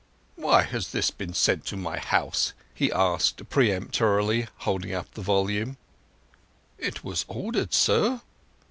"Why has this been sent to my house?" he asked peremptorily, holding up the volume. "It was ordered, sir."